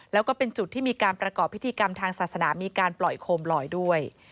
แล้วก็เป็นจุดที่มีการประกอบพิธีกรรมทางศาสนามีการปล่อยโคมลอยด้วย